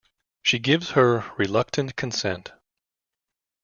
She gives her reluctant consent.